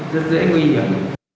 rất dễ nguy hiểm